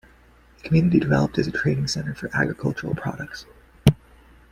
The community developed as a trading center for agricultural products.